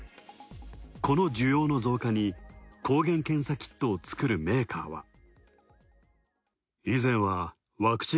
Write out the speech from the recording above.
この需要の増加に抗原検査キットを作るメーカーは。